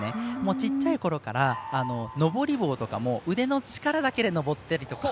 小さいころから登り棒とかも腕の力だけで登ってる。